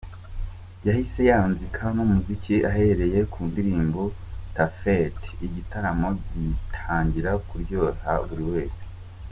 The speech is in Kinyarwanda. Yahise yanzika n’umuziki ahereye ku ndirimbo ‘Ta Fête’ igitaramo gitangira kuryohera buri wese.